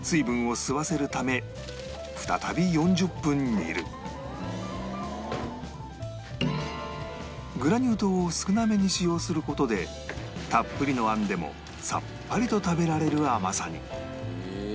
さらにグラニュー糖を少なめに使用する事でたっぷりのあんでもさっぱりと食べられる甘さに